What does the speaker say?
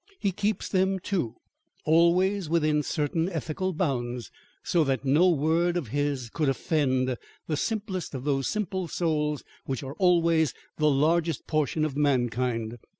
He keeps them, too, always within certain ethical bounds, so that no word of his could offend the simplest of those simple souls which are always the largest portion of mankind.